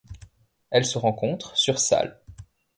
Elle se rencontre sur Sal.